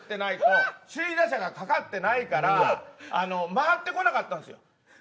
首位打者がかかってないから回ってこなかったんですよ。